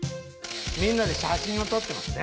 みんなで写真を撮ってますね。